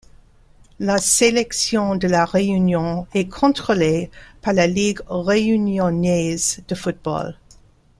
La sélection de La Réunion est contrôlée par la Ligue réunionnaise de football.